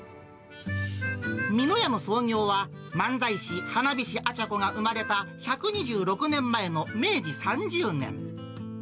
みの家の創業は漫才師、花菱アチャコが生まれた、１２６年前の明治３０年。